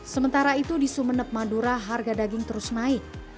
sementara itu di sumeneb madura harga daging terus naik